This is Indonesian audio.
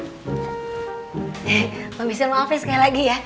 hei mami sya mau abis sekali lagi ya